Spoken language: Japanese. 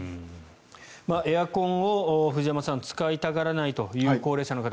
エアコンを、藤山さん使いたがらないという高齢者の方